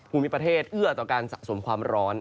ภูมิประเทศเอื้อต่อการสะสมความร้อน